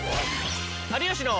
「有吉の」。